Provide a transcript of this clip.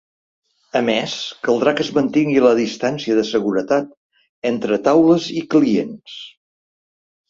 A més, caldrà que es mantingui la distància de seguretat entre taules i clients.